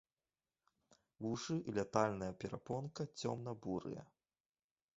Вушы і лятальная перапонка цёмна-бурыя.